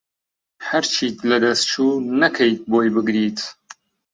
هەرچیت لەدەست چو نەکەیت بۆی بگریت